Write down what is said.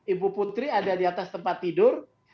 ibu putri ada di atas tempat tidur